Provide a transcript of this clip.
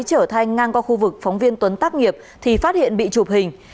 chở thanh ngang qua khu vực phóng viên tuấn tác nghiệp thì phát hiện bị chụp hình